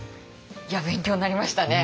いや勉強になりましたね。